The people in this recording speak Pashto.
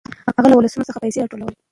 هغه له ولسونو څخه پيسې راټولولې.